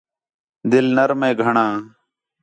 دِل نرم ہے گھݨاں